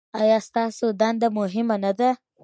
ایا ستاسو دنده مهمه نه ده؟